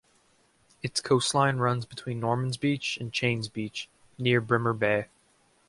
Its coastline runs between Normans Beach and Cheynes Beach, near Bremer Bay.